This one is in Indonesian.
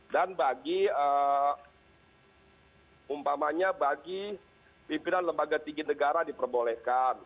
bagi umpamanya bagi pimpinan lembaga tinggi negara diperbolehkan